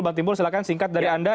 bang timbul silahkan singkat dari anda